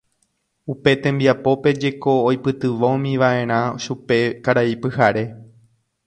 Upe tembiapópe jeko oipytyvõmiva'erã chupe Karai Pyhare.